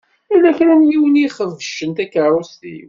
Yella kra n yiwen i ixebcen takeṛṛust-iw.